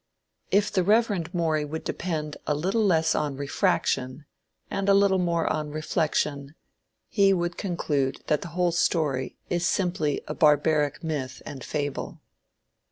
If the Rev. Morey would depend a little less on "refraction" and a little more on "reflection," he would conclude that the whole story is simply a barbaric myth and fable.